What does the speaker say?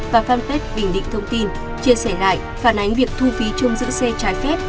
và fanpage bình định thông tin chia sẻ lại phản ánh việc thu phí chung giữ xe trái phép